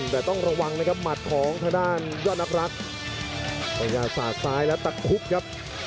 แต่ต้องระวังนะครับหมัดของทางด้านยอดนักรักพยายามสาดซ้ายแล้วตะคุบครับ